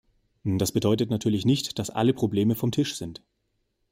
Das bedeutet natürlich nicht, dass alle Probleme vom Tisch sind.